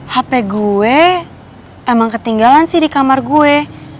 hp gue emang ketinggalan sih di kamar gue